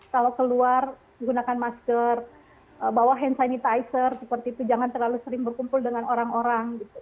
kalau keluar gunakan masker bawa hand sanitizer seperti itu jangan terlalu sering berkumpul dengan orang orang gitu